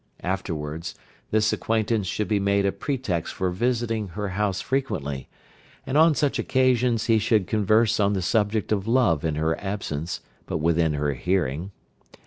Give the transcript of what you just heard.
Afterwards, this acquaintance should be made a pretext for visiting her house frequently, and on such occasions he should converse on the subject of love in her absence, but within her hearing.